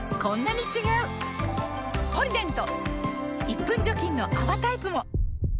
１分除菌の泡タイプも！